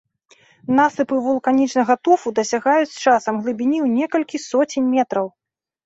Насыпы вулканічнага туфу дасягаюць часам глыбіні ў некалькі соцень метраў.